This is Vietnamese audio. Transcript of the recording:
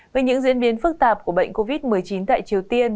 về những diễn biến phức tạp của bệnh covid một mươi chín tại triều tiên